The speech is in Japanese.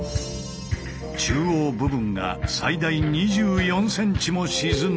中央部分が最大２４ｃｍも沈んでいる。